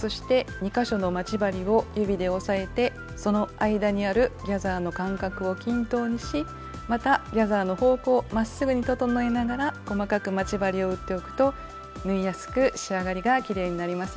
そして２か所の待ち針を指で押さえてその間にあるギャザーの間隔を均等にしまたギャザーの方向をまっすぐに整えながら細かく待ち針を打っておくと縫いやすく仕上がりがきれいになりますよ。